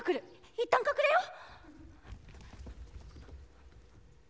いったん隠れよう。